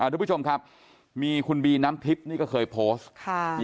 ทุกผู้ชมครับมีคุณบีน้ำทิพย์นี่ก็เคยโพสต์